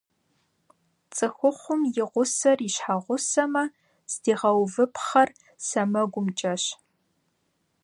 Цӏыхухъум и гъусэр и щхьэгъусэмэ, здигъэувыпхъэр сэмэгумкӀэщ.